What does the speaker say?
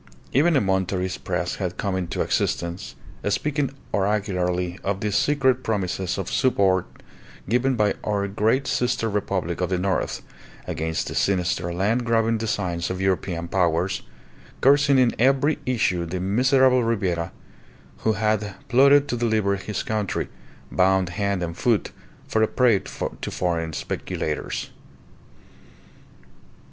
Even a Monterist press had come into existence, speaking oracularly of the secret promises of support given by "our great sister Republic of the North" against the sinister land grabbing designs of European powers, cursing in every issue the "miserable Ribiera," who had plotted to deliver his country, bound hand and foot, for a prey to foreign speculators.